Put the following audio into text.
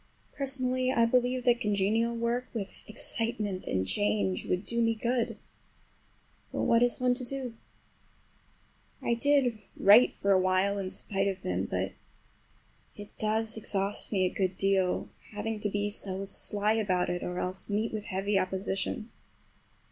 Personally, I believe that congenial work, with excitement and change, would do me good. But what is one to do? I did write for a while in spite of them; but it does exhaust me a good deal—having to be so sly about it, or else meet with heavy opposition.